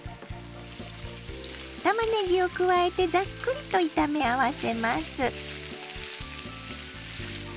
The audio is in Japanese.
たまねぎを加えてざっくりと炒め合わせます。